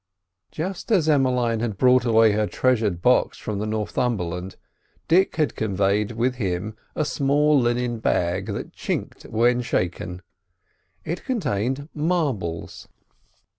Just as Emmeline had brought away her treasured box from the Northumberland, Dick had conveyed with him a small linen bag that chinked when shaken. It contained marbles.